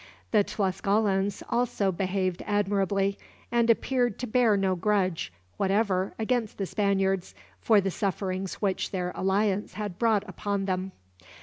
The Tlascalans also behaved admirably; and appeared to bear no grudge, whatever, against the Spaniards, for the sufferings which their alliance had brought upon them.